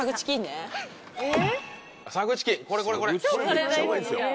めっちゃうまいんですよ。